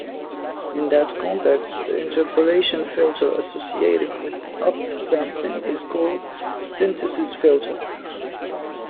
In that context, the interpolation filter associated with upsampling is called "synthesis filter".